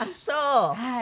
はい。